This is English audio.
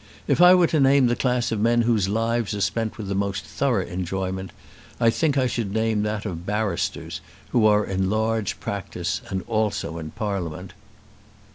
If I were to name the class of men whose lives are spent with the most thorough enjoyment, I think I should name that of barristers who are in large practice and also in Parliament."